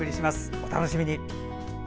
お楽しみに。